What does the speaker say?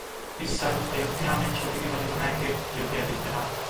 इस साल अयोध्या में छोटी दिवाली मनाएंगे योगी आदित्यनाथ